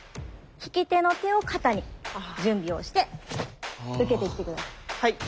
引き手の手を肩に準備をして受けてきて下さい。